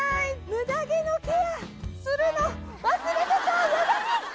ムダ毛のケアするの忘れてたヤバい！